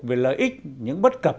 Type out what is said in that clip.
về lợi ích những bất cập